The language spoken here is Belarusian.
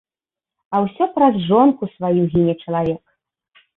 А ўсё праз жонку сваю гіне чалавек.